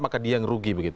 maka dia yang rugi begitu